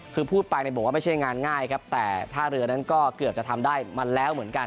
คือพูดไปบอกว่าไม่ใช่งานง่ายครับแต่ท่าเรือนั้นก็เกือบจะทำได้มันแล้วเหมือนกัน